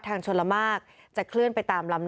ในเวลาเดิมคือ๑๕นาทีครับ